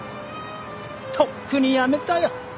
とっくにやめたよ。